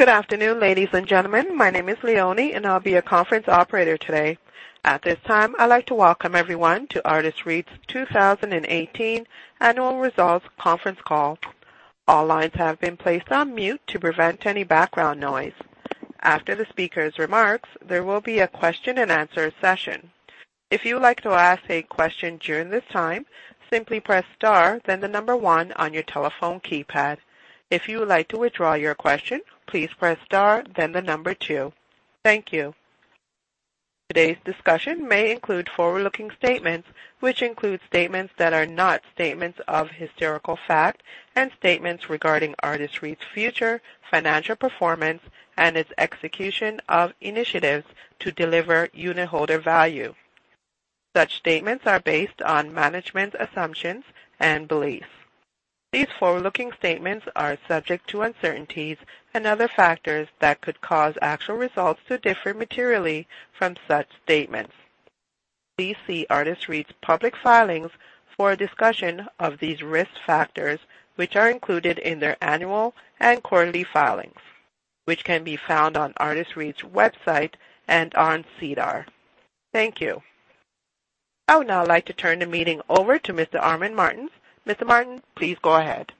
Good afternoon, ladies and gentlemen. My name is Leonie, and I'll be your conference operator today. At this time, I'd like to welcome everyone to Artis REIT's 2018 Annual Results Conference Call. All lines have been placed on mute to prevent any background noise. After the speaker's remarks, there will be a question and answer session. If you would like to ask a question during this time, simply press star, then the number one on your telephone keypad. If you would like to withdraw your question, please press star, then the number two. Thank you. Today's discussion may include forward-looking statements, which include statements that are not statements of historical fact and statements regarding Artis REIT's future financial performance and its execution of initiatives to deliver unitholder value. Such statements are based on management assumptions and beliefs. These forward-looking statements are subject to uncertainties and other factors that could cause actual results to differ materially from such statements. Please see Artis REIT's public filings for a discussion of these risk factors, which are included in their annual and quarterly filings, which can be found on Artis REIT's website and on SEDAR. Thank you. I would now like to turn the meeting over to Mr. Armin Martens. Mr. Martens, please go ahead.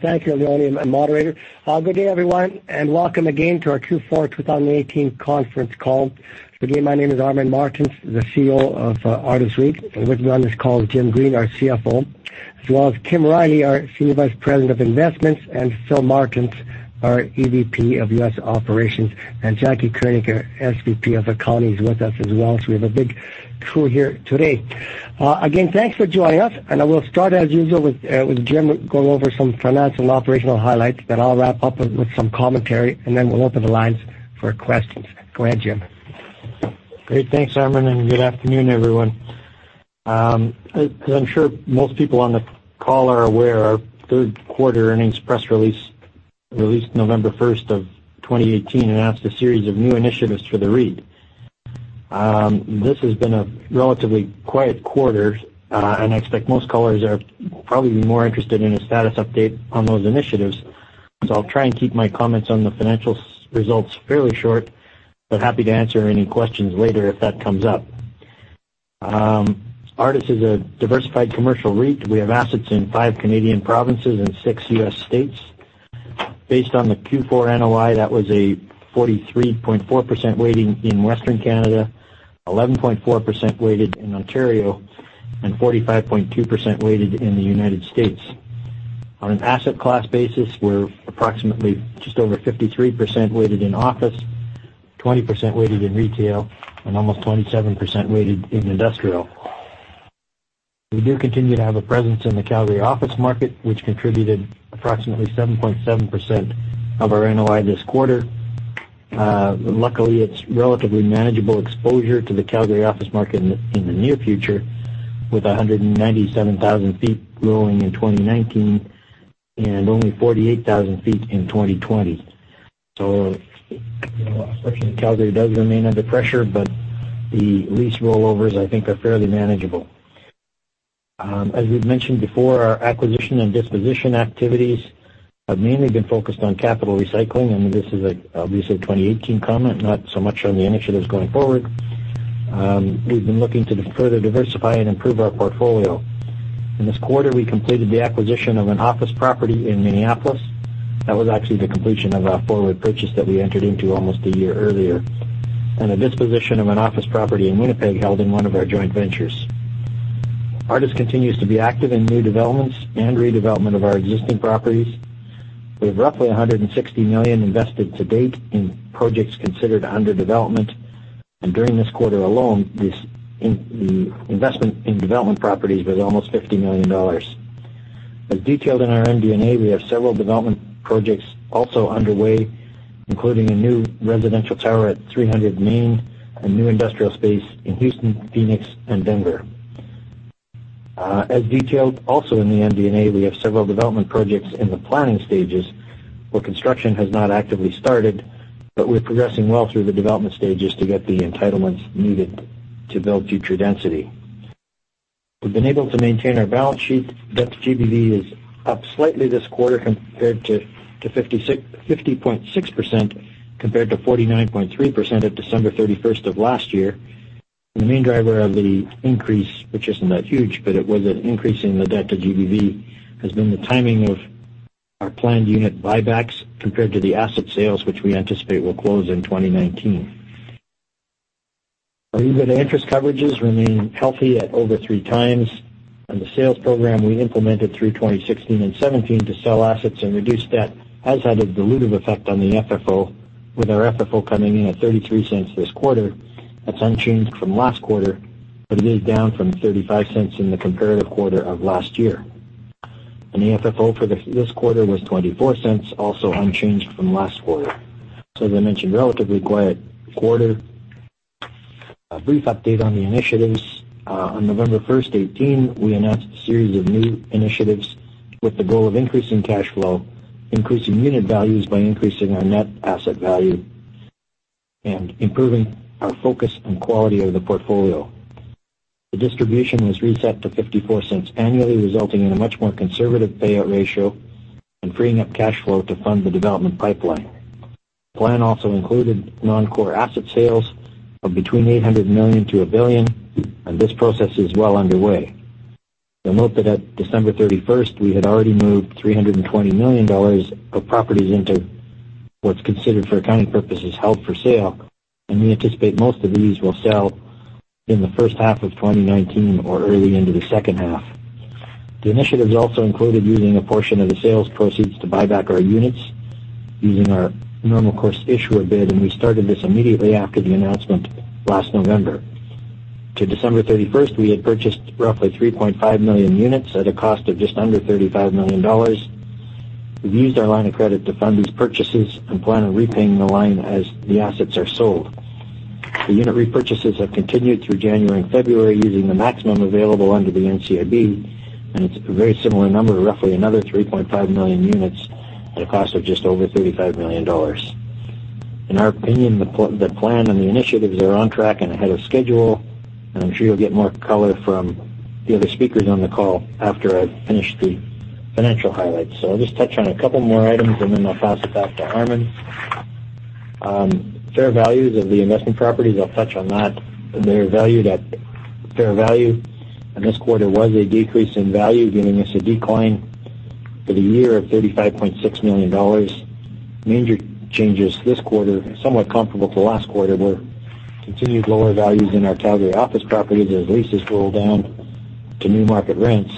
Thank you, Leonie, and moderator. Good day, everyone. Welcome again to our Q4 2018 Conference Call. Again, my name is Armin Martens, the CEO of Artis REIT, and with me on this call is Jim Green, our CFO, as well as Kim Riley, our Senior Vice President of Investments, and Philip Martens, our EVP of U.S. Operations, and Jaclyn Koenig, our SVP of Accounting, is with us as well. We have a big crew here today. Again, thanks for joining us, and I will start as usual with Jim going over some financial and operational highlights. I'll wrap up with some commentary, and then we'll open the lines for questions. Go ahead, Jim. Great. Thanks, Armin, and good afternoon, everyone. As I'm sure most people on the call are aware, our third quarter earnings press release released November 1st, 2018, announced a series of new initiatives for the REIT. This has been a relatively quiet quarter, and I expect most callers are probably more interested in a status update on those initiatives. I'll try and keep my comments on the financial results fairly short, but happy to answer any questions later if that comes up. Artis is a diversified commercial REIT. We have assets in five Canadian provinces and six U.S. states. Based on the Q4 NOI, that was a 43.4% weighting in Western Canada, 11.4% weighted in Ontario, and 45.2% weighted in the U.S.. On an asset class basis, we're approximately just over 53% weighted in office, 20% weighted in retail, and almost 27% weighted in industrial. We do continue to have a presence in the Calgary office market, which contributed approximately 7.7% of our NOI this quarter. Luckily, it's relatively manageable exposure to the Calgary office market in the near future with 197,000 feet rolling in 2019 and only 48,000 feet in 2020. Especially in Calgary, it does remain under pressure, but the lease rollovers, I think, are fairly manageable. As we've mentioned before, our acquisition and disposition activities have mainly been focused on capital recycling, this is obviously a 2018 comment, not so much on the initiatives going forward. We've been looking to further diversify and improve our portfolio. In this quarter, we completed the acquisition of an office property in Minneapolis. That was actually the completion of a forward purchase that we entered into almost a year earlier, and a disposition of an office property in Winnipeg held in one of our joint ventures. Artis REIT continues to be active in new developments and redevelopment of our existing properties. We have roughly 160 million invested to date in projects considered under development, and during this quarter alone, the investment in development properties was almost 50 million dollars. As detailed in our MD&A, we have several development projects also underway, including a new residential tower at 300 Main and new industrial space in Houston, Phoenix, and Denver. As detailed also in the MD&A, we have several development projects in the planning stages where construction has not actively started, but we're progressing well through the development stages to get the entitlements needed to build future density. We've been able to maintain our balance sheet. Debt-to-GBV is up slightly this quarter compared to 50.6% compared to 49.3% at December 31st of last year. The main driver of the increase, which isn't that huge, but it was an increase in the Debt-to-GBV, has been the timing of our planned unit buybacks compared to the asset sales, which we anticipate will close in 2019. Our EBITDA interest coverages remain healthy at over three times. The sales program we implemented through 2016 and 2017 to sell assets and reduce debt has had a dilutive effect on the FFO, with our FFO coming in at 0.33 this quarter. That's unchanged from last quarter, but it is down from 0.35 in the comparative quarter of last year. AFFO for this quarter was 0.24, also unchanged from last quarter. As I mentioned, relatively quiet quarter. A brief update on the initiatives. On November 1st, 2018, we announced a series of new initiatives with the goal of increasing cash flow, increasing unit values by increasing our net asset value and improving our focus and quality of the portfolio. The distribution was reset to 0.54 annually, resulting in a much more conservative payout ratio and freeing up cash flow to fund the development pipeline. The plan also included non-core asset sales of between 800 million-1 billion. This process is well underway. You'll note that at December 31, we had already moved 320 million dollars of properties into what's considered, for accounting purposes, held for sale. We anticipate most of these will sell in the first half of 2019 or early into the second half. The initiatives also included using a portion of the sales proceeds to buy back our units using our Normal Course Issuer Bid. We started this immediately after the announcement last November. To December 31, we had purchased roughly 3.5 million units at a cost of just under 35 million dollars. We've used our line of credit to fund these purchases and plan on repaying the line as the assets are sold. The unit repurchases have continued through January and February using the maximum available under the NCIB. It's a very similar number, roughly another 3.5 million units at a cost of just over 35 million dollars. In our opinion, the plan and the initiatives are on track and ahead of schedule. I'm sure you'll get more color from the other speakers on the call after I've finished the financial highlights. I'll just touch on a couple more items. Then I'll pass it back to Armin. Fair values of the investment properties, I'll touch on that. They're valued at fair value. This quarter was a decrease in value, giving us a decline for the year of 35.6 million dollars. Major changes this quarter, somewhat comparable to last quarter, were continued lower values in our Calgary office properties as leases roll down to new market rents,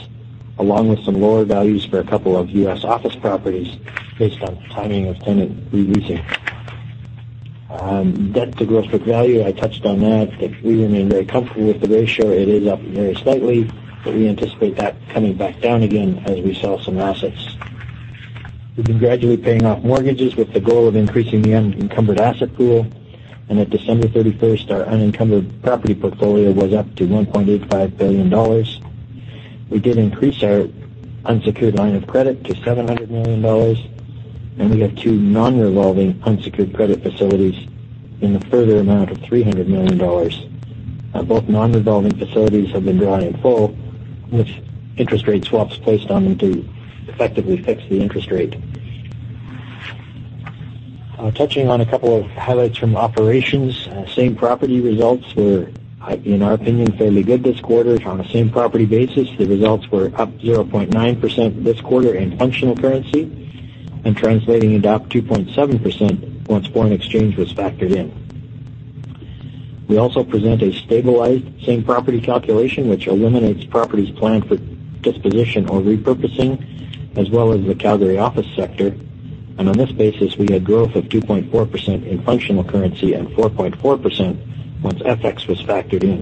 along with some lower values for a couple of U.S. office properties based on timing of tenant re-leasing. Debt to gross book value, I touched on that. We remain very comfortable with the ratio. It is up very slightly. We anticipate that coming back down again as we sell some assets. We've been gradually paying off mortgages with the goal of increasing the unencumbered asset pool. At December 31, our unencumbered property portfolio was up to 1.85 billion dollars. We did increase our unsecured line of credit to 700 million dollars. We have two non-revolving unsecured credit facilities in a further amount of 300 million dollars. Both non-revolving facilities have been drawing full with interest rate swaps placed on them to effectively fix the interest rate. Touching on a couple of highlights from operations. Same property results were, in our opinion, fairly good this quarter. On a same-property basis, the results were up 0.9% this quarter in functional currency and translating into up 2.7% once foreign exchange was factored in. We also present a stabilized same property calculation, which eliminates properties planned for disposition or repurposing, as well as the Calgary office sector. On this basis, we had growth of 2.4% in functional currency and 4.4% once FX was factored in.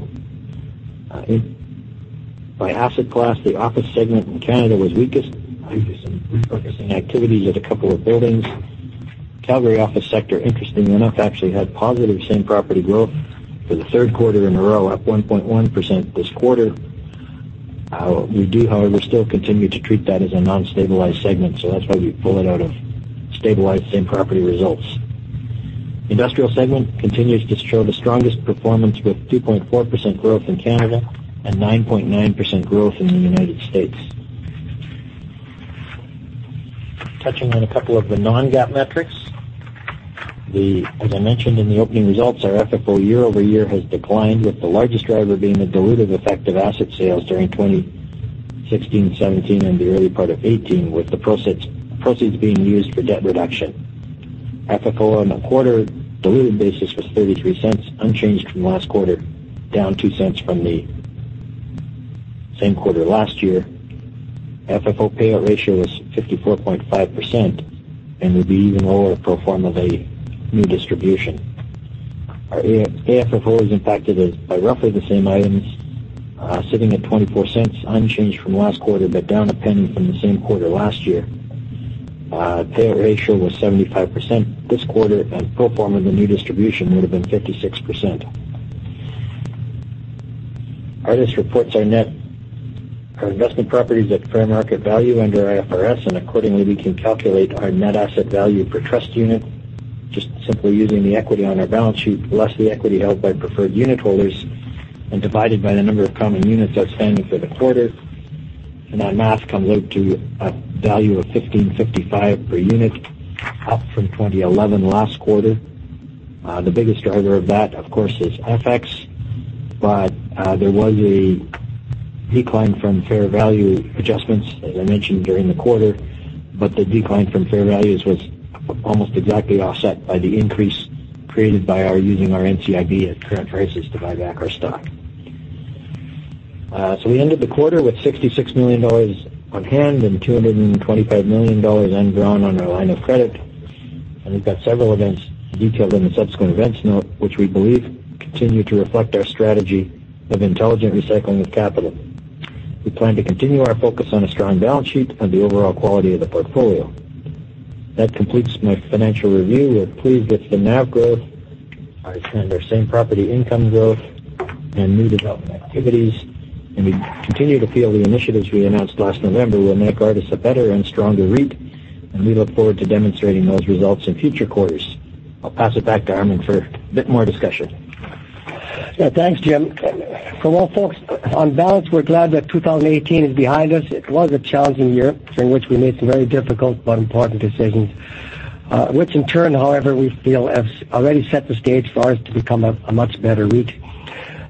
By asset class, the office segment in Canada was weakest due to some repurposing activities at a couple of buildings. Calgary office sector, interestingly enough, actually had positive same property growth for the third quarter in a row, up 1.1% this quarter. We do, however, still continue to treat that as a non-stabilized segment, so that is why we pull it out of stabilized same property results. Industrial segment continues to show the strongest performance with 2.4% growth in Canada and 9.9% growth in the U.S. Touching on a couple of the non-GAAP metrics. As I mentioned in the opening results, our FFO year-over-year has declined, with the largest driver being the dilutive effect of asset sales during 2016, 2017, and the early part of 2018, with the proceeds being used for debt reduction. FFO on a quarter dilutive basis was 0.33, unchanged from last quarter, down 0.02 from the same quarter last year. FFO payout ratio was 54.5% and would be even lower pro forma the new distribution. Our AFFO was impacted by roughly the same items, sitting at 0.24, unchanged from last quarter, but down CAD 0.01 from the same quarter last year. Payout ratio was 75% this quarter, and pro forma the new distribution would have been 56%. IFRS reports our investment properties at fair market value under IFRS, and accordingly, we can calculate our net asset value per trust unit just simply using the equity on our balance sheet, less the equity held by preferred unit holders and divided by the number of common units outstanding for the quarter. On NAV, come out to a value of 15.55 per unit, up from 20.11 last quarter. The biggest driver of that, of course, is FX, but there was a decline from fair value adjustments, as I mentioned, during the quarter. The decline from fair values was almost exactly offset by the increase created by our using our NCIB at current prices to buy back our stock. We ended the quarter with 66 million dollars on hand and 225 million dollars undrawn on our line of credit. We have got several events detailed in the subsequent events note, which we believe continue to reflect our strategy of intelligent recycling of capital. We plan to continue our focus on a strong balance sheet and the overall quality of the portfolio. That completes my financial review. We are pleased with the NAV growth and our same property income growth and new development activities. We continue to feel the initiatives we announced last November will make Artis REIT a better and stronger REIT, and we look forward to demonstrating those results in future quarters. I will pass it back to Armin for a bit more discussion. Thanks, Jim. For most folks, on balance, we're glad that 2018 is behind us. It was a challenging year, during which we made some very difficult but important decisions. Which in turn, however, we feel have already set the stage for us to become a much better REIT.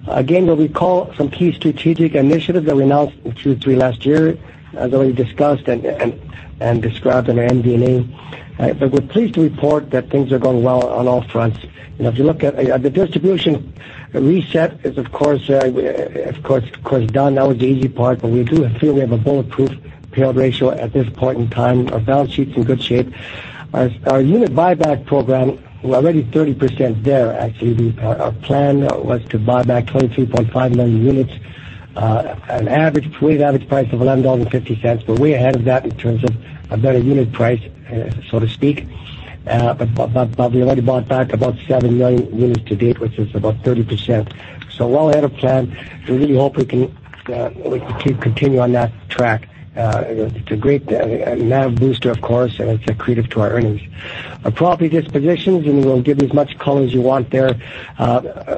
We'll recall some key strategic initiatives that we announced through last year, as already discussed and described in our MD&A. We're pleased to report that things are going well on all fronts. If you look at the distribution reset is, of course, done. That was the easy part, but we do feel we have a bulletproof payout ratio at this point in time. Our balance sheet's in good shape. Our unit buyback program, we're already 30% there, actually. Our plan was to buy back 23.5 million units, an average weighted average price of 11.50 dollars. We're way ahead of that in terms of a better unit price, so to speak. We already bought back about seven million units to date, which is about 30%. Well ahead of plan. We really hope we can keep continuing on that track. It's a great NAV booster, of course, and it's accretive to our earnings. Our property dispositions, and we'll give as much color as you want there.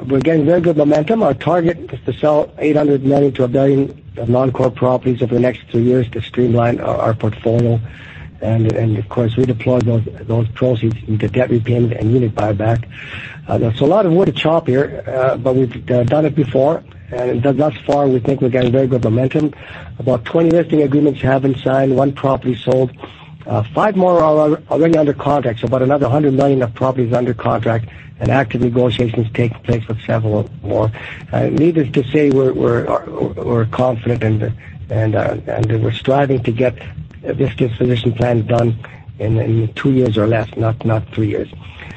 We're getting very good momentum. Our target is to sell 800 million-1 billion of non-core properties over the next two years to streamline our portfolio. Of course, redeploy those proceeds into debt repayment and unit buyback. There's a lot of wood to chop here, we've done it before, and thus far, we think we're getting very good momentum. About 20 listing agreements have been signed, one property sold. Five more are already under contract, so about another 100 million of properties under contract, active negotiations taking place with several more. Needless to say, we're confident, we're striving to get this disposition plan done in two years or less, not three years.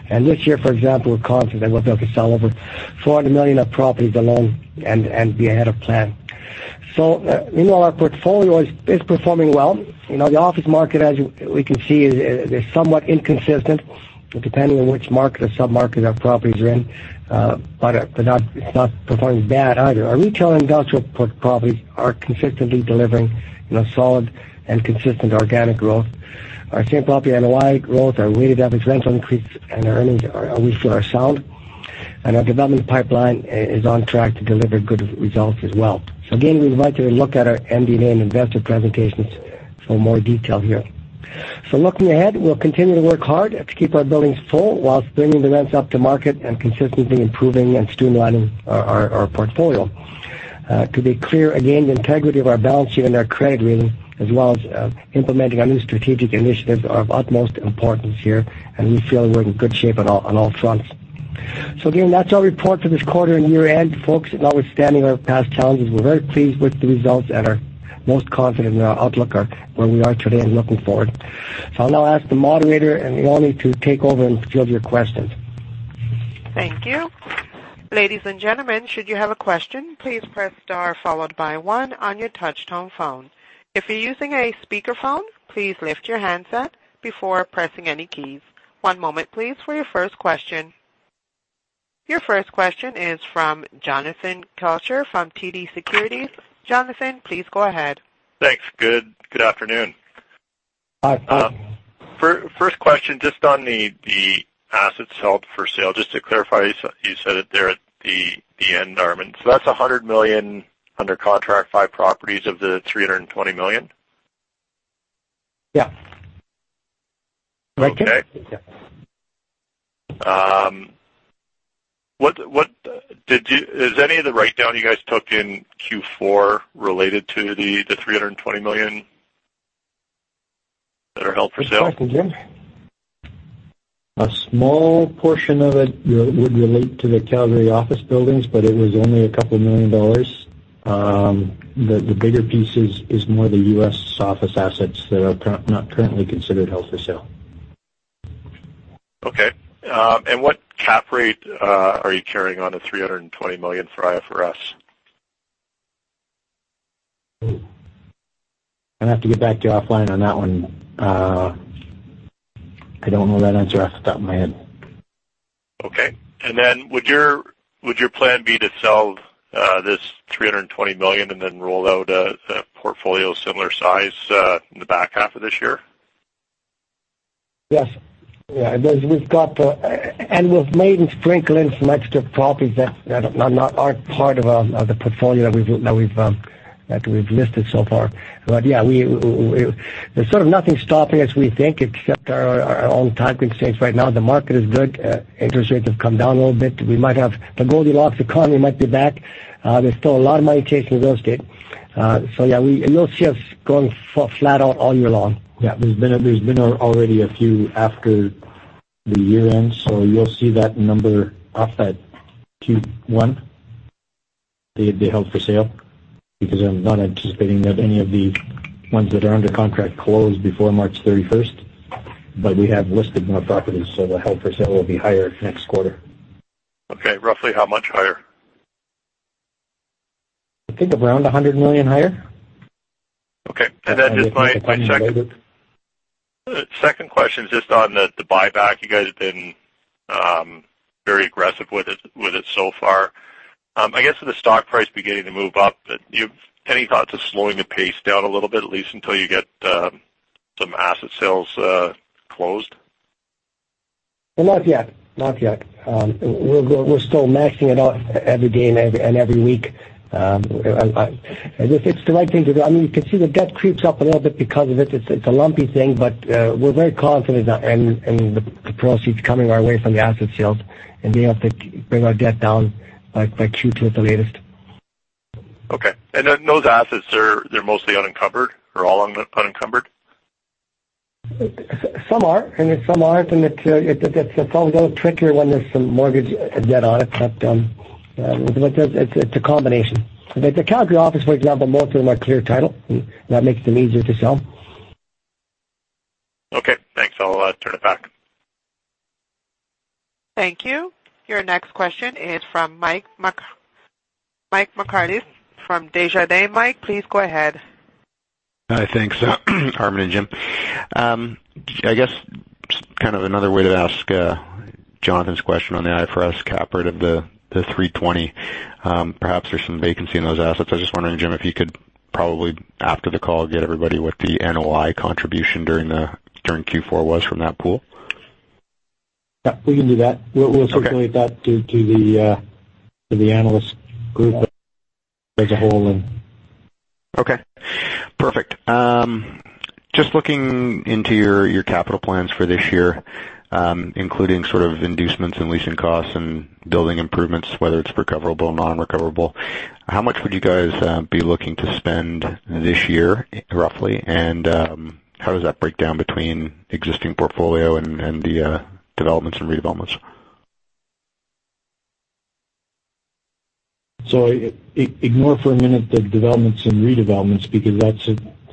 This year, for example, we're confident that we'll be able to sell over 400 million of properties alone and be ahead of plan. In all, our portfolio is performing well. The office market, as we can see, is somewhat inconsistent, depending on which market or sub-market our properties are in. It's not performing bad either. Our retail and industrial properties are consistently delivering solid and consistent organic growth. Our same property NOI growth, our weighted average rent increases, and earnings, we feel, are sound. Our development pipeline is on track to deliver good results as well. Again, we'd invite you to look at our MD&A and investor presentations for more detail here. Looking ahead, we'll continue to work hard to keep our buildings full whilst bringing the rents up to market and consistently improving and streamlining our portfolio. To be clear, again, the integrity of our balance sheet and our credit rating, as well as implementing our new strategic initiatives, are of utmost importance here, we feel we're in good shape on all fronts. Again, that's our report for this quarter and year-end, folks. Notwithstanding our past challenges, we're very pleased with the results and are most confident in our outlook where we are today and looking forward. I'll now ask the moderator and Leonie to take over and field your questions. Thank you. Ladies and gentlemen, should you have a question, please press star followed by one on your touch-tone phone. If you're using a speakerphone, please lift your handset before pressing any keys. One moment, please, for your first question. Your first question is from Jonathan Kelcher from TD Securities. Jonathan, please go ahead. Thanks. Good afternoon. Hi. First question, just on the assets held for sale, just to clarify, you said it there at the end, Armin. That's 100 million under contract by properties of the 320 million? Yeah. Correct. Okay. Yeah. Is any of the write-down you guys took in Q4 related to the 320 million that are held for sale? Good question. Jim? A small portion of it would relate to the Calgary office buildings, but it was only a CAD couple million. The bigger piece is more the U.S. office assets that are not currently considered held for sale. Okay. What cap rate are you carrying on the 320 million for IFRS? I'm going to have to get back to you offline on that one. I don't know that answer off the top of my head. Okay. Would your plan be to sell this 320 million and then roll out a portfolio similar size in the back half of this year? Yes. We've made and sprinkled in some extra properties that aren't part of the portfolio that we've listed so far. Yeah, there's sort of nothing stopping us, we think, except our own timing constraints right now. The market is good. Interest rates have come down a little bit. We might have the Goldilocks economy might be back. There's still a lot of money chasing real estate. Yeah, you'll see us going flat out all year long. Yeah. There's been already a few after the year-end. You'll see that number off at Q1, the held for sale, because I'm not anticipating that any of the ones that are under contract close before March 31st. We have listed more properties, so the held for sale will be higher next quarter. Okay. Roughly how much higher? I think around 100 million higher. Just my second question is just on the buyback. You guys have been very aggressive with it so far. I guess with the stock price beginning to move up, any thoughts of slowing the pace down a little bit, at least until you get some asset sales closed? Not yet. We're still maxing it out every day and every week. I think it's the right thing to do. You can see the debt creeps up a little bit because of it. It's a lumpy thing, but we're very confident in the proceeds coming our way from the asset sales and being able to bring our debt down by Q2 at the latest. Okay. Those assets, they're mostly unencumbered. They're all unencumbered? Some are, and then some aren't, and it gets probably a little trickier when there's some mortgage debt on it. It's a combination. The Calgary office, for example, most of them are clear title. That makes them easier to sell. Okay, thanks. I'll turn it back. Thank you. Your next question is from Michael Markidis from Desjardins. Michael, please go ahead. Hi. Thanks, Armin and Jim. I guess kind of another way to ask Jonathan's question on the IFRS cap rate of the three 20. Perhaps there's some vacancy in those assets. I was just wondering, Jim, if you could probably after the call, get everybody what the NOI contribution during Q4 was from that pool? Yeah, we can do that. Okay. We'll circulate that to the analyst group as a whole. Okay, perfect. Just looking into your capital plans for this year, including sort of inducements and leasing costs and building improvements, whether it's recoverable or non-recoverable, how much would you guys be looking to spend this year, roughly, and how does that break down between existing portfolio and the developments and redevelopments? Ignore for a minute the developments and redevelopments because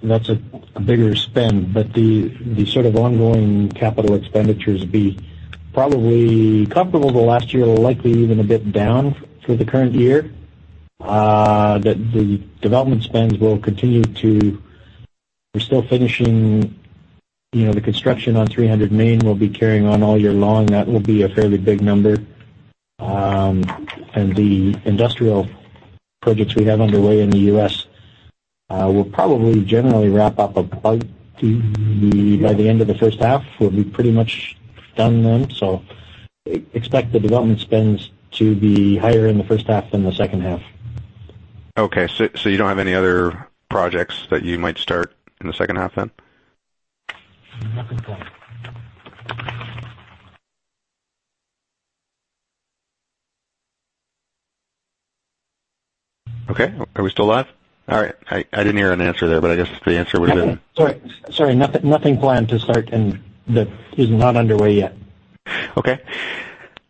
that's a bigger spend. The sort of ongoing capital expenditures would be probably comparable to last year, likely even a bit down for the current year. The development spends will continue to We're still finishing the construction on 300 Main will be carrying on all year long. That will be a fairly big number. The industrial projects we have underway in the U.S. will probably generally wrap up by the end of the first half. We'll be pretty much done then. expect the development spends to be higher in the first half than the second half. Okay, you don't have any other projects that you might start in the second half then? Nothing planned. Okay. Are we still live? All right. I didn't hear an answer there, but I guess the answer would have been. Sorry, nothing planned to start that is not underway yet. Okay.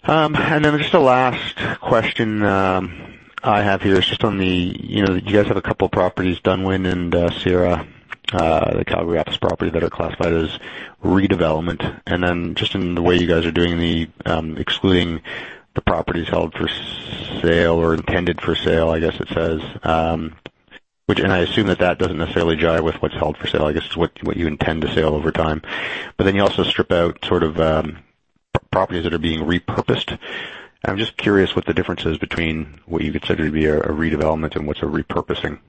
Just a last question I have here is just on the You guys have a couple properties, Dunwin and Sierra, the Calgary office properties that are classified as redevelopment. Just in the way you guys are doing the excluding the properties held for sale or intended for sale, I guess it says, which, and I assume that that doesn't necessarily jive with what's held for sale, I guess it's what you intend to sell over time. But you also strip out sort of properties that are being repurposed. I'm just curious what the difference is between what you consider to be a redevelopment and what's a repurposing?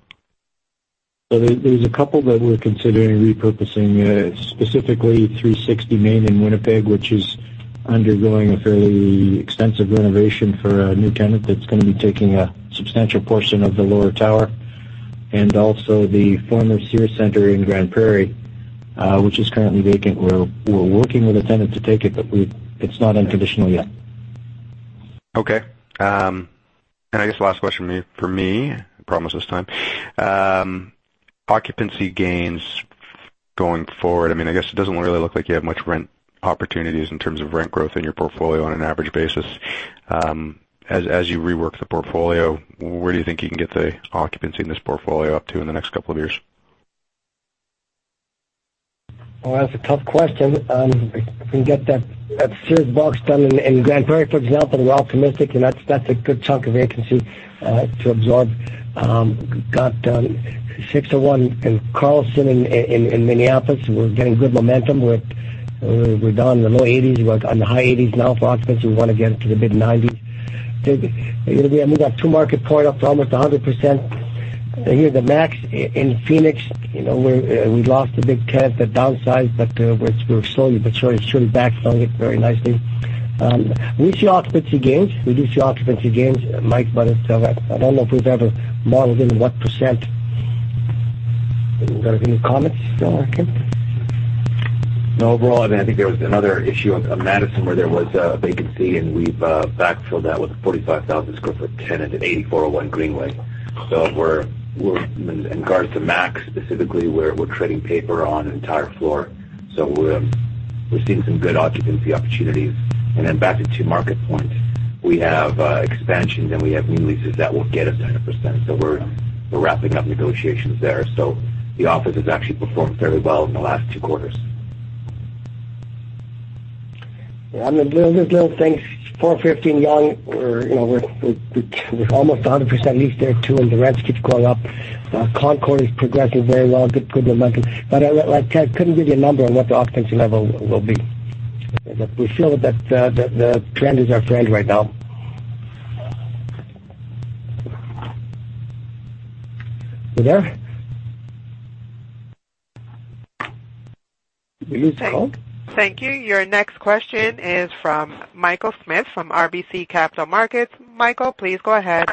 There's a couple that we're considering repurposing, specifically 360 Main in Winnipeg, which is undergoing a fairly extensive renovation for a new tenant that's going to be taking a substantial portion of the lower tower, and also the former Sears Centre in Grande Prairie, which is currently vacant. We're working with a tenant to take it, but it's not unconditional yet. Okay. I guess the last question for me, I promise this time. Occupancy gains going forward, I guess it doesn't really look like you have much rent opportunities in terms of rent growth in your portfolio on an average basis. As you rework the portfolio, where do you think you can get the occupancy in this portfolio up to in the next couple of years? Well, that's a tough question. If we can get that Sears box done in Grande Prairie, for example, we're optimistic, that's a good chunk of vacancy to absorb. Got 601 Tower at Carlson in Minneapolis. We're getting good momentum. We're down in the low 80%s. We're on the high 80%s now for occupancy. We want to get into the mid-90%s. We got Two MarketPointe up to almost 100%. Here at THE MAX in Phoenix, we lost a big tenant that downsized, but we're slowly but surely backfilling it very nicely. We see occupancy gains. Michael might tell that. I don't know if we've ever modeled in what percent. You got any comments on that, Kim? No. Overall, I think there was another issue on Madison, WI where there was a vacancy, we've backfilled that with a 45,000 sq ft tenant at 8401 Greenway Boulevard. In regards to THE MAX specifically, we're trading paper on an entire floor. We're seeing some good occupancy opportunities. Back at Two MarketPointe, we have expansions, we have new leases that will get us there to 100%, we're wrapping up negotiations there. The office has actually performed fairly well in the last two quarters. Yeah. I mean, there's little things, 415 Yonge, we're almost 100% leased there too, the rents keep going up. Concord is progressing very well, good momentum. I couldn't give you a number on what the occupancy level will be. We feel that the trend is our friend right now. You there? Did we lose the call? Thank you. Your next question is from Michael Smith from RBC Capital Markets. Michael, please go ahead.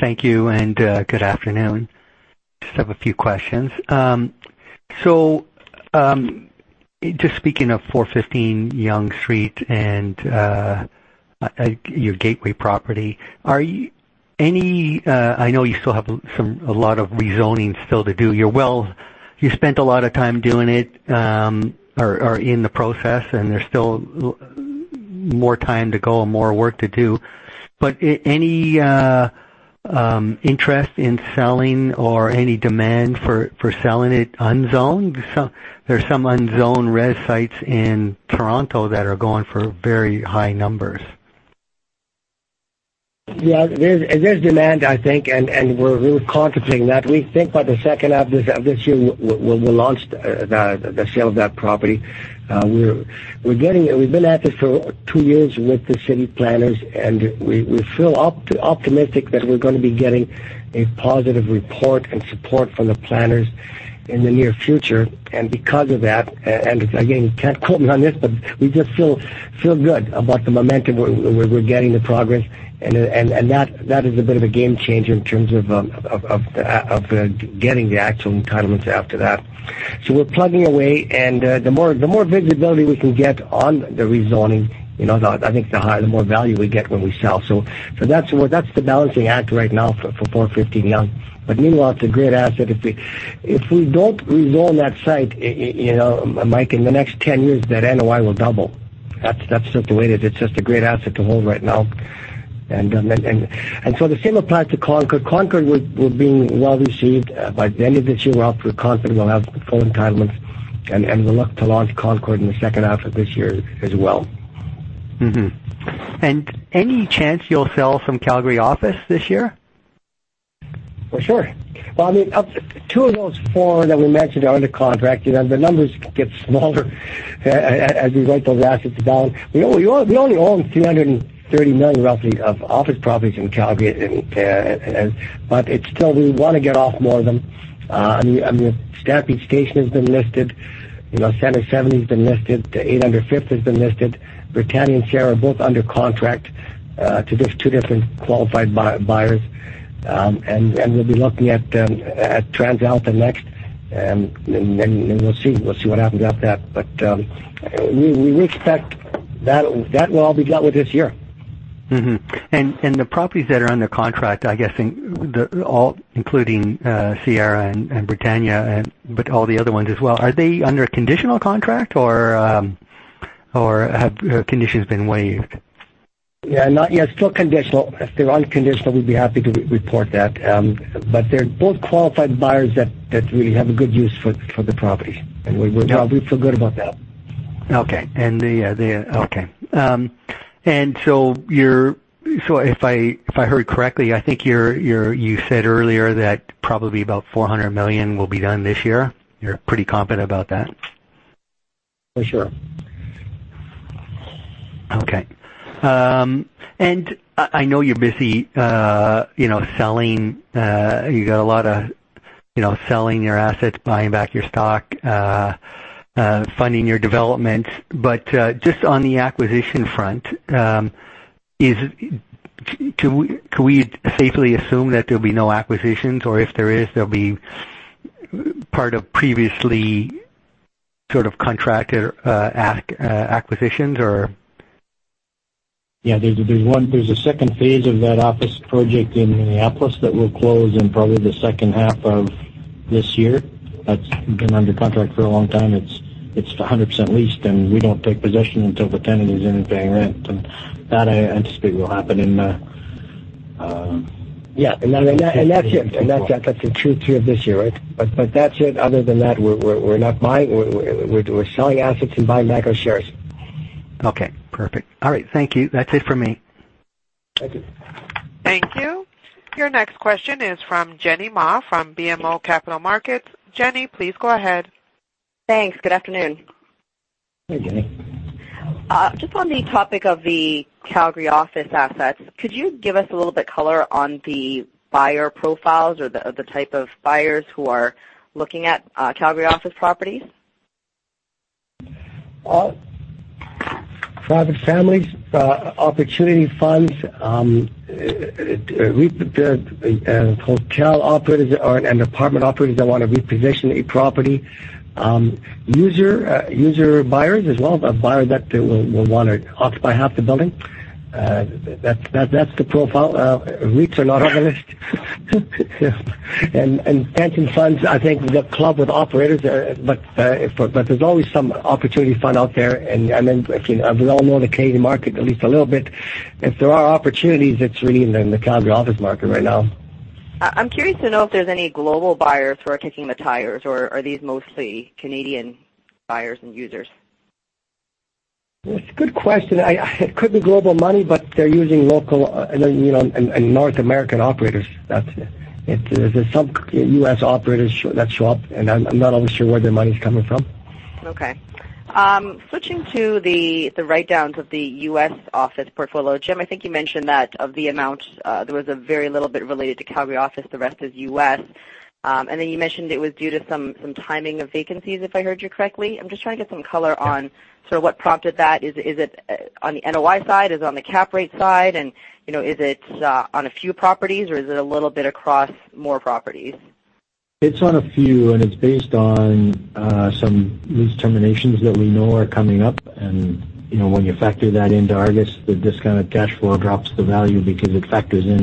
Thank you, and good afternoon. Just have a few questions. Just speaking of 415 Yonge Street and your Gateway property. I know you still have a lot of rezoning still to do. You spent a lot of time doing it or are in the process, and there's still more time to go and more work to do. Any interest in selling or any demand for selling it unzoned? There's some unzoned res sites in Toronto that are going for very high numbers. There's demand, I think, and we're contemplating that. We think by the second half of this year, we'll launch the sale of that property. We've been at this for two years with the city planners, and we feel optimistic that we're going to be getting a positive report and support from the planners in the near future. Because of that, again, you can't quote me on this, we just feel good about the momentum where we're getting the progress, and that is a bit of a game changer in terms of getting the actual entitlements after that. We're plugging away, the more visibility we can get on the rezoning, I think the more value we get when we sell. That's the balancing act right now for 415 Yonge. Meanwhile, it's a great asset. If we don't rezone that site, Michael, in the next 10 years, that NOI will double. That's just the way it is. It's just a great asset to hold right now. The same applies to Concord. Concord, we're being well received. By the end of this year, we're confident we'll have the full entitlements, and we look to launch Concord in the second half of this year as well. Any chance you'll sell some Calgary office this year? For sure. Well, I mean, two of those four that we mentioned are under contract. The numbers get smaller as we write those assets down. We only own 330 million roughly of office properties in Calgary, but still we want to get off more of them. I mean, Stampede Station has been listed. Centre 70 has been listed. 805 Fifth has been listed. Britannia and Sierra are both under contract to two different qualified buyers. We'll be looking at TransAlta next, and then we'll see. We'll see what happens after that. We expect that will all be dealt with this year. Mm-hmm. The properties that are under contract, I guess, including Sierra and Britannia, but all the other ones as well, are they under a conditional contract or have conditions been waived? Yeah, still conditional. If they're unconditional, we'd be happy to report that. They're both qualified buyers that really have a good use for the property, and we feel good about that. Okay. If I heard correctly, I think you said earlier that probably about 400 million will be done this year. You're pretty confident about that? For sure. Okay. I know you're busy selling your assets, buying back your stock, funding your development. Just on the acquisition front, can we safely assume that there'll be no acquisitions, or if there is, they'll be part of previously sort of contracted acquisitions or? Yeah, there's a second phase of that office project in Minneapolis that will close in probably the second half of this year. That's been under contract for a long time. It's 100% leased, and we don't take possession until the tenant is in and paying rent. That I anticipate will happen in. Yeah, that's it. That's the true three of this year, right? That's it. Other than that, we're not buying. We're selling assets and buying back our shares. Okay, perfect. All right, thank you. That's it for me. Thank you. Thank you. Your next question is from Jenny Ma from BMO Capital Markets. Jenny, please go ahead. Thanks. Good afternoon. Hey, Jenny. Just on the topic of the Calgary office assets, could you give us a little bit color on the buyer profiles or the type of buyers who are looking at Calgary office properties? Private families, opportunity funds, hotel operators and apartment operators that want to reposition a property. User buyers as well, a buyer that will want to occupy half the building. That's the profile. REITs are not on the list. Pension funds, I think they club with operators, there's always some opportunity fund out there. I mean, we all know the Canadian market at least a little bit. If there are opportunities, it's really in the Calgary office market right now. I'm curious to know if there's any global buyers who are kicking the tires, or are these mostly Canadian buyers and users? It's a good question. It could be global money, they're using local and North American operators. There are some U.S. operators that show up, I'm not always sure where their money's coming from. Okay. Switching to the writedowns of the U.S. office portfolio. Jim, I think you mentioned that of the amount, there was a very little bit related to Calgary office, the rest is U.S.. Then you mentioned it was due to some timing of vacancies, if I heard you correctly. I'm just trying to get some color on sort of what prompted that. Is it on the NOI side? Is it on the cap rate side? Is it on a few properties or is it a little bit across more properties? It's on a few, it's based on some lease terminations that we know are coming up. When you factor that into ARGUS, the discounted cash flow drops the value because it factors in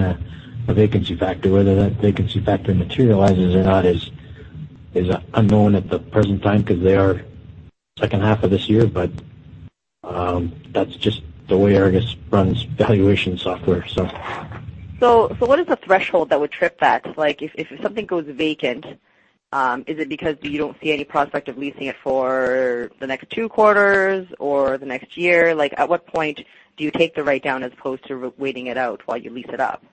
a vacancy factor. Whether that vacancy factor materializes or not is unknown at the present time because they are second half of this year, that's just the way ARGUS runs valuation software. What is the threshold that would trip that? If something goes vacant, is it because you don't see any prospect of leasing it for the next two quarters or the next year? At what point do you take the writedown as opposed to waiting it out while you lease it up?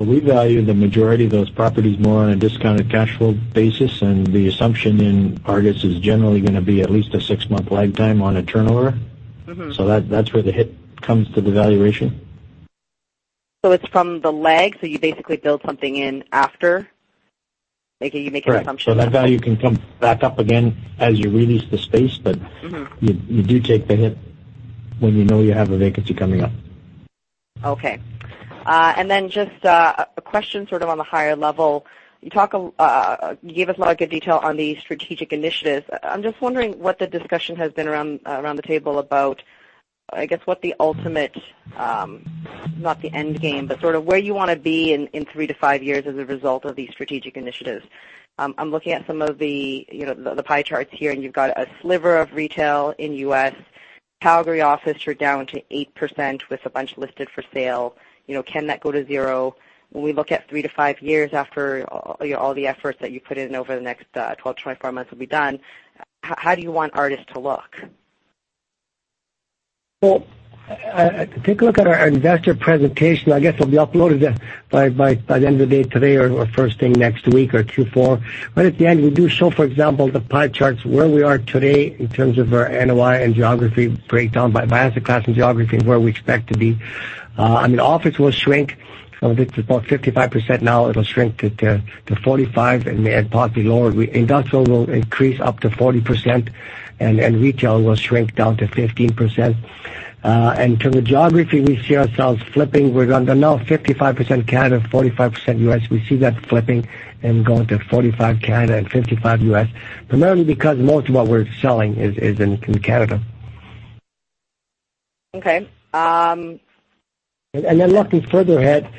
We value the majority of those properties more on a discounted cash flow basis, the assumption in ARGUS is generally going to be at least a six-month lag time on a turnover. That's where the hit comes to the valuation. It's from the lag, so you basically build something in after, you make an assumption. Right. That value can come back up again as you re-lease the space. You do take the hit when you know you have a vacancy coming up. Okay. Just a question sort of on the higher level. You gave us a lot of good detail on the strategic initiatives. I'm just wondering what the discussion has been around the table about, I guess, what the ultimate, not the end game, but sort of where you want to be in three to five years as a result of these strategic initiatives. I'm looking at some of the pie charts here, you've got a sliver of retail in U.S.. Calgary office, you're down to 8% with a bunch listed for sale. Can that go to zero? When we look at three to five years after all the efforts that you put in over the next 12-24 months will be done, how do you want Artis REIT to look? Well, take a look at our investor presentation. I guess it'll be uploaded by the end of the day today or first thing next week or Q4. At the end, we do show, for example, the pie charts, where we are today in terms of our NOI and geography breakdown by asset class and geography, and where we expect to be. I mean office will shrink. It's about 55% now. It'll shrink to 45% and possibly lower. Industrial will increase up to 40%, retail will shrink down to 15%. To the geography, we see ourselves flipping. We're now 55% Canada, 45% U.S. We see that flipping and going to 45% Canada and 55% U.S., primarily because most of what we're selling is in Canada. Okay. Looking further ahead,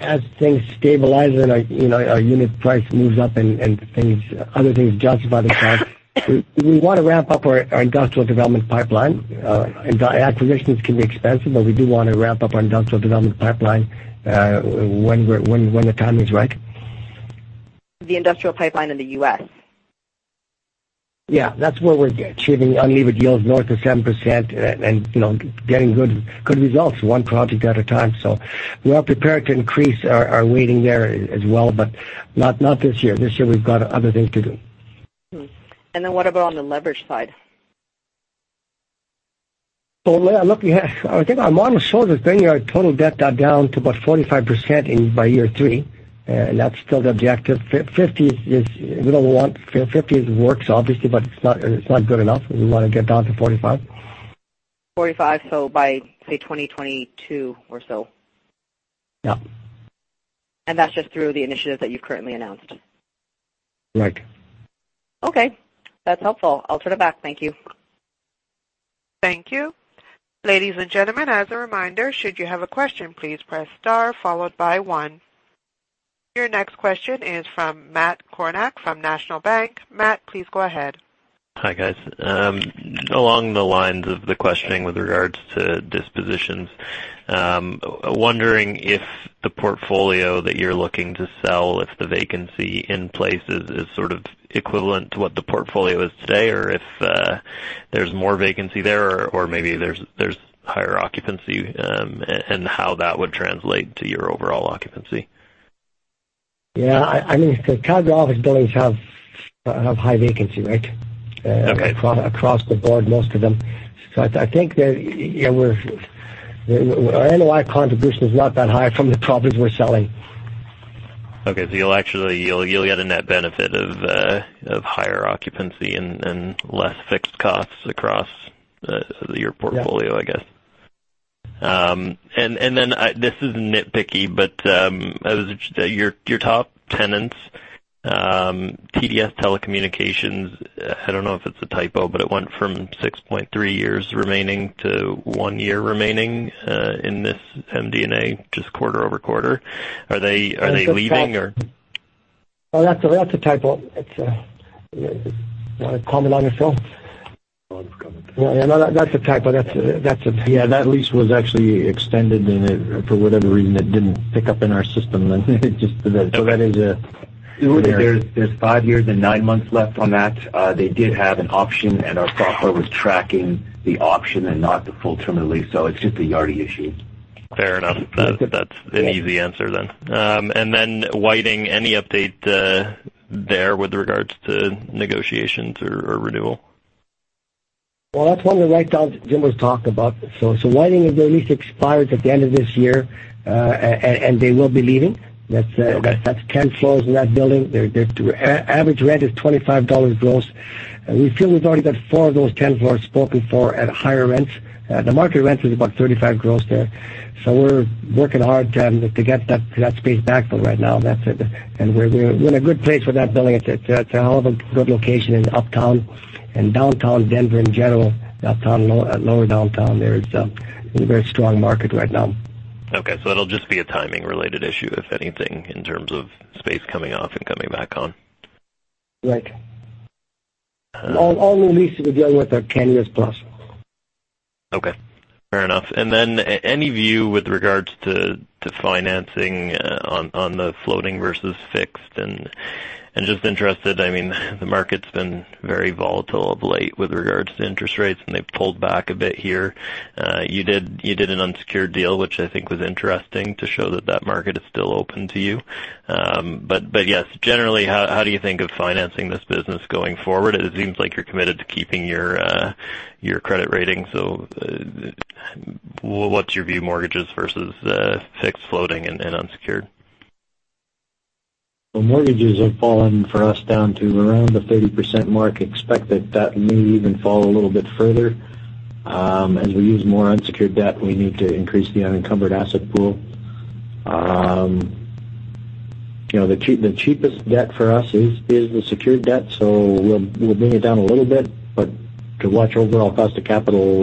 as things stabilize and our unit price moves up and other things justify the price, we want to ramp up our industrial development pipeline. Acquisitions can be expensive, we do want to ramp up our industrial development pipeline when the timing's right. The industrial pipeline in the U.S.? That's where we are achieving unlevered yields north of 7% and getting good results one project at a time. We are prepared to increase our weighting there as well, but not this year. This year, we have got other things to do. What about on the leverage side? Looking at, I think our model shows us bringing our total debt down to about 45% by year three, and that is still the objective. 50% works, obviously, but it is not good enough. We want to get down to 45%. 45%, by, say, 2022 or so. Yeah. That's just through the initiatives that you've currently announced. Right. Okay. That's helpful. I'll turn it back. Thank you. Thank you. Ladies and gentlemen, as a reminder, should you have a question, please press star followed by one. Your next question is from Matt Kornack from National Bank. Matt, please go ahead. Hi, guys. Along the lines of the questioning with regards to dispositions. Wondering if the portfolio that you're looking to sell, if the vacancy in place is sort of equivalent to what the portfolio is today, or if there's more vacancy there, or maybe there's higher occupancy, and how that would translate to your overall occupancy. Yeah. I mean, Calgary office buildings have high vacancy, right? Okay. Across the board, most of them. I think that our NOI contribution is not that high from the properties we're selling. Okay. You'll get a net benefit of higher occupancy and less fixed costs across your portfolio, I guess. Yeah. This is nitpicky, but I was interested. Your top tenants, TDS Telecommunications, I don't know if it's a typo, but it went from 6.3 years remaining to one year remaining in this MD&A, just quarter-over-quarter. Are they leaving? Oh, that's a typo. It's a comment on your show. Lot of comments. Yeah, no, that's a typo. Yeah, that lease was actually extended, and for whatever reason, it didn't pick up in our system then. That is an error. There's five years and nine months left on that. They did have an option, and our software was tracking the option and not the full term of the lease. It's just a Yardi issue. Fair enough. That's an easy answer then. Whiting, any update there with regards to negotiations or renewal? Well, that's one of the write-downs Jim was talking about. Whiting, their lease expires at the end of this year, and they will be leaving. That's 10 floors in that building. Their average rent is 25 dollars gross. We feel we've already got four of those 10 floors spoken for at higher rents. The market rent is about 35 gross there. We're working hard to get that space back, but right now, we're in a good place with that building. It's a hell of a good location in Uptown and downtown Denver in general, Uptown, Lower Downtown, there is a very strong market right now. Okay, it'll just be a timing-related issue, if anything, in terms of space coming off and coming back on. Right. All the leases we're dealing with are 10 years plus. Okay, fair enough. Then any view with regards to financing on the floating versus fixed, I mean, the market's been very volatile of late with regards to interest rates, and they've pulled back a bit here. You did an unsecured deal, which I think was interesting to show that that market is still open to you. Yes, generally, how do you think of financing this business going forward? It seems like you're committed to keeping your credit rating, so what's your view, mortgages versus fixed, floating, and unsecured? Well, mortgages have fallen for us down to around the 30%. Expect that that may even fall a little bit further. As we use more unsecured debt, we need to increase the unencumbered asset pool. The cheapest debt for us is the secured debt, so we'll bring it down a little bit, but to watch overall cost of capital,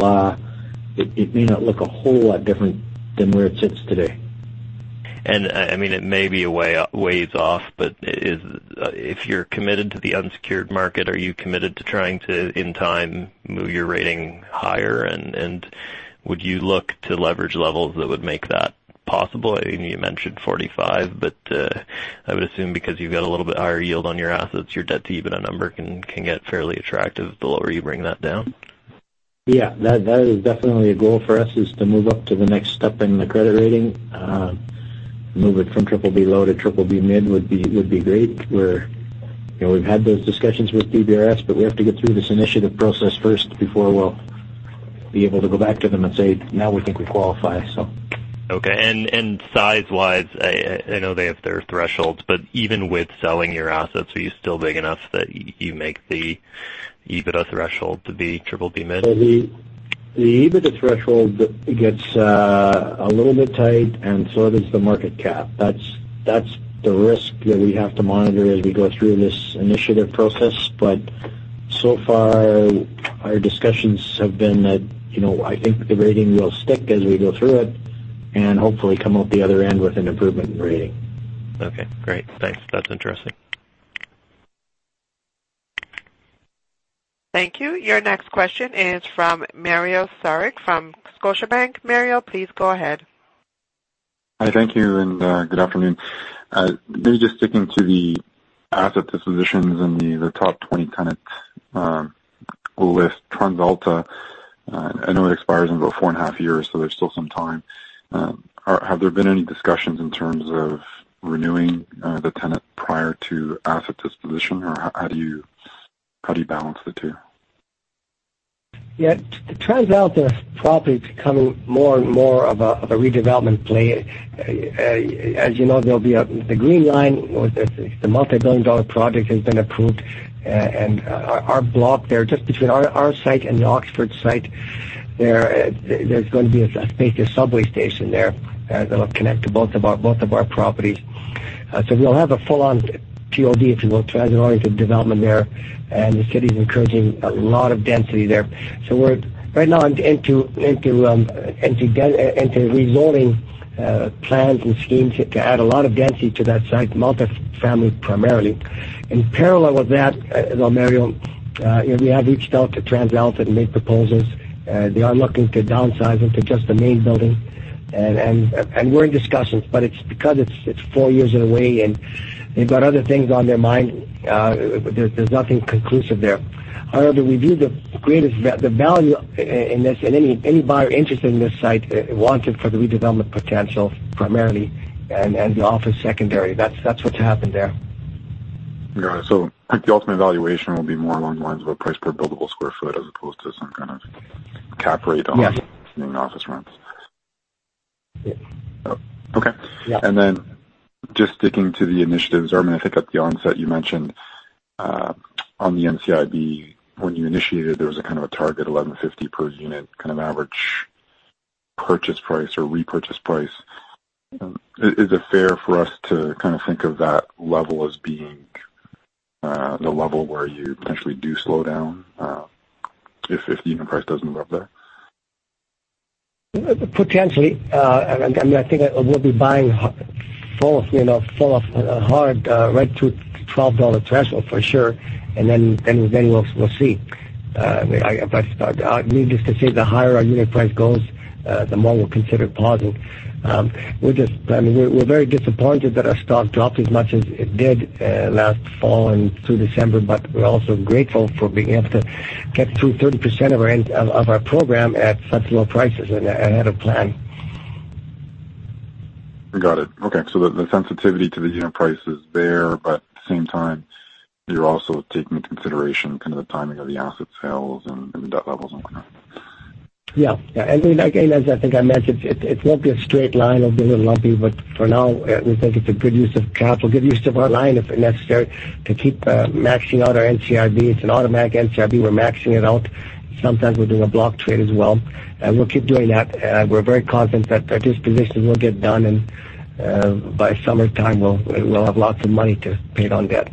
it may not look a whole lot different than where it sits today. It may be a ways off, but if you're committed to the unsecured market, are you committed to trying to, in time, move your rating higher, and would you look to leverage levels that would make that possible? You mentioned 45, but I would assume because you've got a little bit higher yield on your assets, your debt-to-EBITDA number can get fairly attractive the lower you bring that down. Yeah. That is definitely a goal for us, is to move up to the next step in the credit rating. Move it from BBB- to BBB mid would be great. We've had those discussions with DBRS, we have to get through this initiative process first before we'll be able to go back to them and say, "Now we think we qualify. Okay. Size-wise, I know they have their thresholds, but even with selling your assets, are you still big enough that you make the EBITDA threshold to be BBB mid? The EBITDA threshold gets a little bit tight, and so does the market cap. That's the risk that we have to monitor as we go through this initiative process. So far, our discussions have been that I think the rating will stick as we go through it and hopefully come out the other end with an improvement in rating. Okay, great. Thanks. That's interesting. Thank you. Your next question is from Mario Saric from Scotiabank. Mario, please go ahead. Hi. Thank you, and good afternoon. Maybe just sticking to the asset dispositions in the top 20 tenants list. TransAlta, I know it expires in about four and a half years, so there's still some time. Have there been any discussions in terms of renewing the tenant prior to asset disposition, or how do you balance the two? Yeah. TransAlta is probably becoming more and more of a redevelopment play. As you know, there'll be the Green Line, the multi-billion-dollar project has been approved, and our block there, just between our site and the Oxford site, there's going to be a spacious subway station there that'll connect to both of our properties. We'll have a full-on TOD, if you will, transit-oriented development there, and the city is encouraging a lot of density there. We're right now into resorting plans and schemes to add a lot of density to that site, multi-family primarily. In parallel with that, Mario, we have reached out to TransAlta and made proposals. They are looking to downsize into just the main building, and we're in discussions, but it's because it's four years away, and they've got other things on their mind. There's nothing conclusive there. However, we view the greatest value in this, and any buyer interested in this site wants it for the redevelopment potential primarily and the office secondary. That's what's happened there. Got it. I think the ultimate valuation will be more along the lines of a price per buildable square foot as opposed to some kind of cap rate. Yeah. On office rents. Okay. Yeah. Just sticking to the initiatives, or maybe I think at the onset, you mentioned on the NCIB, when you initiated, there was a kind of a target 11.50 per unit kind of average purchase price or repurchase price. Is it fair for us to kind of think of that level as being the level where you potentially do slow down if the unit price does move up there? Potentially. I think we'll be buying full out hard right to 12 dollar threshold for sure. We'll see. Needless to say, the higher our unit price goes, the more we'll consider pausing. We're very disappointed that our stock dropped as much as it did last fall and through December, but we're also grateful for being able to get through 30% of our program at such low prices ahead of plan. Got it. Okay. The sensitivity to the unit price is there, but at the same time, you're also taking into consideration kind of the timing of the asset sales and the debt levels and whatnot. Yeah. Again, as I think I mentioned, it won't be a straight line. It'll be a little lumpy. For now, we think it's a good use of capital, good use of our line, if necessary, to keep maxing out our NCIB. It's an automatic NCIB. We're maxing it out. Sometimes we're doing a block trade as well. We'll keep doing that. We're very confident that our dispositions will get done, and by summertime, we'll have lots of money to pay down debt.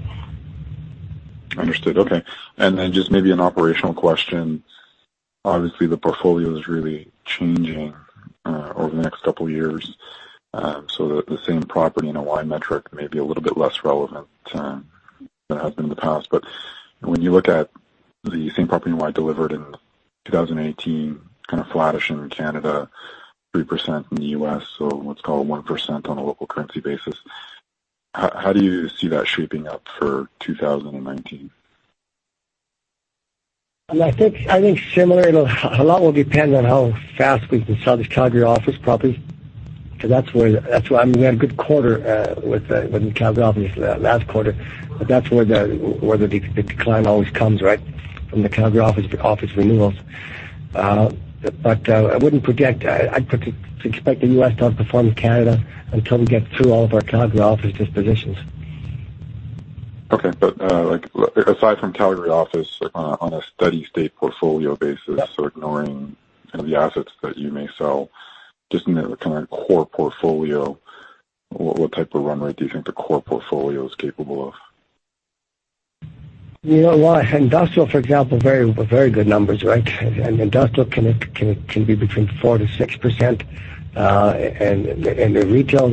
Understood. Okay. Then just maybe an operational question. Obviously, the portfolio is really changing over the next couple of years that the same property NOI metric may be a little bit less relevant than it has been in the past. When you look at the same property NOI delivered in 2018, kind of flattish in Canada, 3% in the U.S., let's call it 1% on a local currency basis. How do you see that shaping up for 2019? I think similar. A lot will depend on how fast we can sell this Calgary office property because that's where we had a good quarter with the Calgary office last quarter, but that's where the decline always comes, right? From the Calgary office renewals. I wouldn't project. I'd expect the U.S. to outperform Canada until we get through all of our Calgary office dispositions. Okay. Aside from Calgary office, on a steady state portfolio basis, ignoring the assets that you may sell, just in the kind of core portfolio, what type of run rate do you think the core portfolio is capable of? You know what? Industrial, for example, very good numbers, right? Industrial can be between 4%-6%. The retail,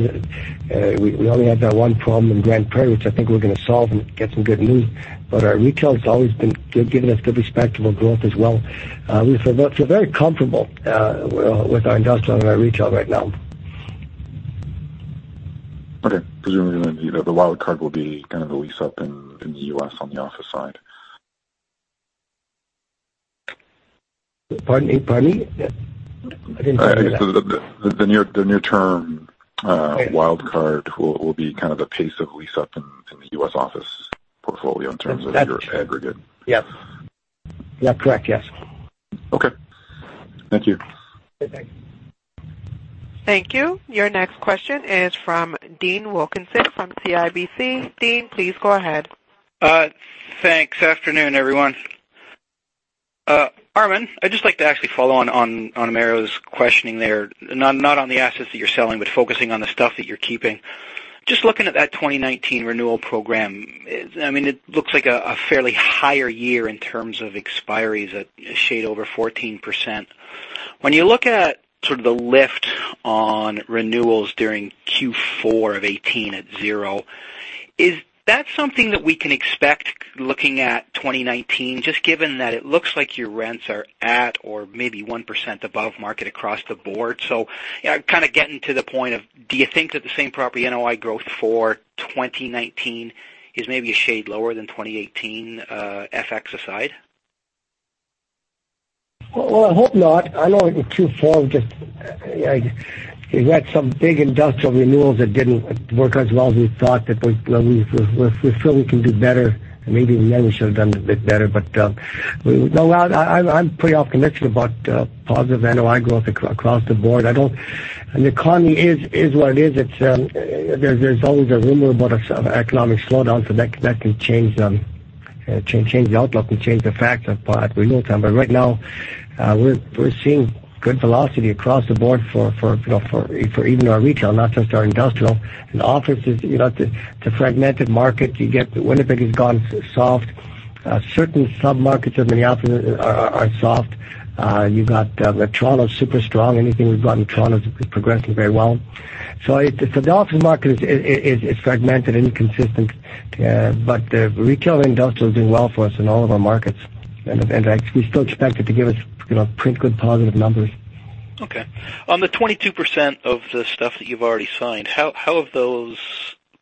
we only had that one problem in Grande Prairie, which I think we're going to solve and get some good news. Our retail has always been giving us good respectable growth as well. We feel very comfortable with our industrial and our retail right now. Okay. Presumably, the wild card will be kind of the lease up in the U.S. on the office side. Pardon me? I didn't catch that. The near-term wild card will be kind of the pace of lease up in the U.S. office portfolio in terms of your aggregate. Yes. Correct. Yes. Okay. Thank you. Okay. Thanks. Thank you. Your next question is from Dean Wilkinson from CIBC. Dean, please go ahead. Thanks. Afternoon, everyone. Armin, I'd just like to actually follow on Mario's questioning there, not on the assets that you're selling, but focusing on the stuff that you're keeping. Just looking at that 2019 renewal program, it looks like a fairly higher year in terms of expiries at a shade over 14%. When you look at sort of the lift on renewals during Q4 of 2018 at zero, is that something that we can expect looking at 2019, just given that it looks like your rents are at or maybe 1% above market across the board? I'm kind of getting to the point of, do you think that the same property NOI growth for 2019 is maybe a shade lower than 2018, FX aside? Well, I hope not. I know in Q4, we had some big industrial renewals that didn't work as well as we thought that we feel we can do better, and maybe we never should have done a bit better. I'm pretty optimistic about positive NOI growth across the board. The economy is what it is. There's always a rumor about an economic slowdown, that can change the outlook and change the facts of what we know. Right now, we're seeing good velocity across the board for even our retail, not just our industrial, and offices. It's a fragmented market. Winnipeg has gone soft. Certain sub-markets of Minneapolis are soft. You got Toronto super strong. Anything we've got in Toronto is progressing very well. The office market is fragmented, inconsistent, but retail and industrial are doing well for us in all of our markets. We still expect it to give us pretty good positive numbers. Okay. On the 22% of the stuff that you've already signed, how have those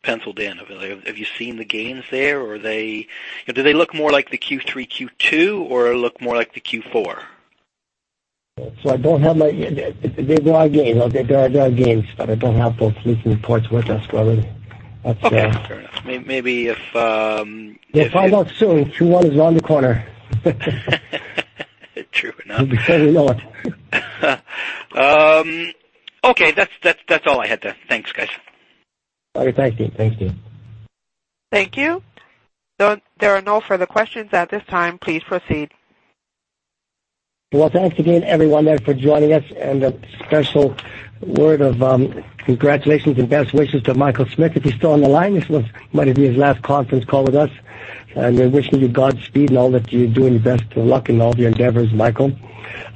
penciled in? Have you seen the gains there? Do they look more like the Q3, Q2, or look more like the Q4? There are gains, but I don't have those leasing reports with us. Okay. Fair enough. Maybe if. They find out soon. Q1 is around the corner. True enough. You'll be fairly low on it. Okay. That's all I had there. Thanks, guys. Okay. Thanks, Dean. Thank you. There are no further questions at this time. Please proceed. Well, thanks again, everyone, for joining us, and a special word of congratulations and best wishes to Michael Smith, if he's still on the line. This might be his last conference call with us, and we're wishing you Godspeed and all that you do, and best of luck in all of your endeavors, Michael.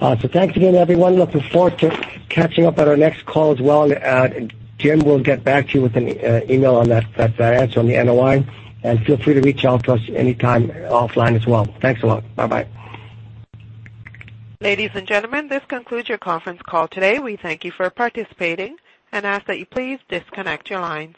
Thanks again, everyone. Looking forward to catching up at our next call as well. Jim, we'll get back to you with an email on that answer on the NOI, and feel free to reach out to us anytime offline as well. Thanks a lot. Bye-bye. Ladies and gentlemen, this concludes your conference call today. We thank you for participating and ask that you please disconnect your lines.